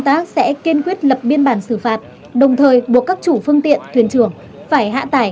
tác sẽ kiên quyết lập biên bản xử phạt đồng thời buộc các chủ phương tiện thuyền trưởng phải hạ tải